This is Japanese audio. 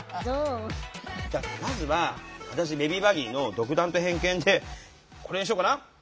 まずは私ベビー・バギーの独断と偏見でこれにしようかな？